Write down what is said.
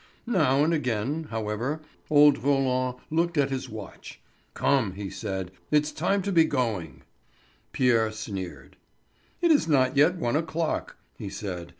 Now and again, however, old Roland looked at his watch. "Come," said he, "it is time to be going." Pierre sneered. "It is not yet one o'clock," he said.